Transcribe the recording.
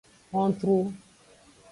Hontru.